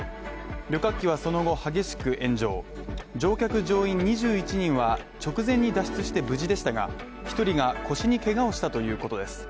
旅客機はその後激しく炎上乗客乗員２１人は直前に脱出して無事でしたが、１人が腰にけがをしたということです。